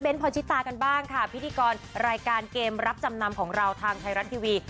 พอชิตากันบ้างค่ะพิธีกรรายการเกมรับจำนำของเราทางไทยรัฐทีวี